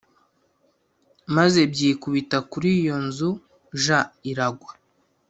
Maze byikubita kuri iyo nzu j iragwa